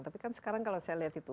tapi kan sekarang kalau saya lihat itu